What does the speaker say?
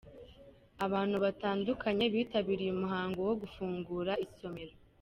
Abantu batandukanye bitabiriye umuhango wo gufungura isomero.